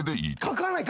書かない！